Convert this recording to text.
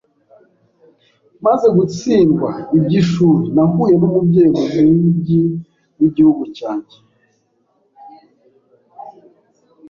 Maze gutsindwa iby’ishuri, nahuye n’umubyeyi mu mugi w’igihugu cyanjye